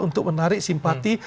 untuk menarik simpati